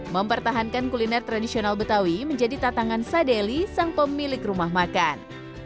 mempertahankan kuliner tradisional betawi menjadi tatangan sadeli sang pemilik rumah makan